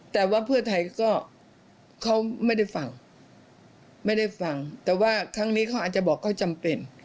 แต่ว่าเพื่อไทยก็ไม่ได้ฟังแต่ว่าครั้งนี้เขาอาจจะบอกว่าเขาจำเป็น